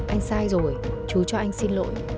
anh sai rồi chú cho anh xin lỗi